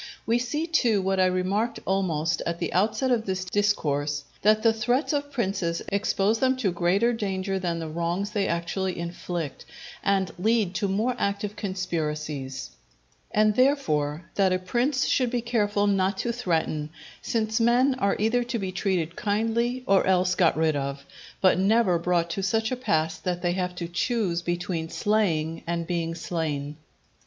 We see, too, what I remarked almost at the outset of this Discourse, that the threats of princes expose them to greater danger than the wrongs they actually inflict, and lead to more active conspiracies: and, therefore, that a prince should be careful not to threaten; since men are either to be treated kindly or else got rid of, but never brought to such a pass that they have to choose between slaying and being slain.